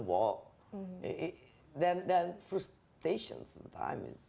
ya kadang kadang itu menghambat kepala saya ke jalan